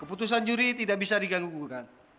keputusan juri tidak bisa diganggu gugukan